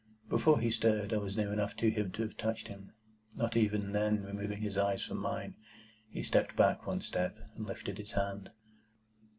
Before he stirred, I was near enough to him to have touched him. Not even then removing his eyes from mine, he stepped back one step, and lifted his hand.